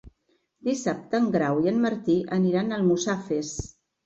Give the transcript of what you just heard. Dissabte en Grau i en Martí aniran a Almussafes.